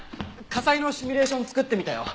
火災のシミュレーション作ってみたよ。